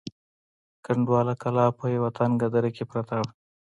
کنډواله کلا په یوه تنگه دره کې پرته وه.